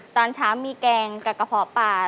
ตอนเช้ามีแกงกับกระเพาะปลา